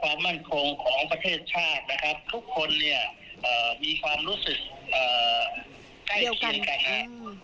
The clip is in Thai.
ว่าพักเจ้าขายคุณพิธาและผู้อยู่เบื้องหลัง